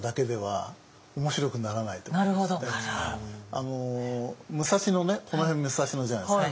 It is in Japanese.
あの武蔵野ねこの辺武蔵野じゃないですか。